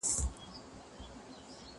کېدای سي خواړه خراب وي؟!